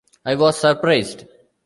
I was surprised.